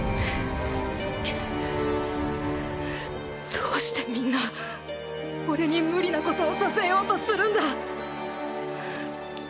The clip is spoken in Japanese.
どうしてみんな俺に無理なことをさせようとするんだ！